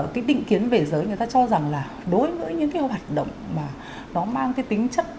cái định kiến về giới người ta cho rằng là đối với những cái hoạt động mà nó mang cái tính chất